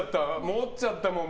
持っちゃったもん。